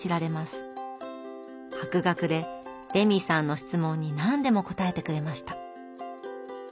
博学でレミさんの質問に何でも答えてくれました。